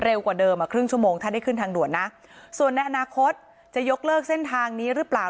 กว่าเดิมอ่ะครึ่งชั่วโมงถ้าได้ขึ้นทางด่วนนะส่วนในอนาคตจะยกเลิกเส้นทางนี้หรือเปล่า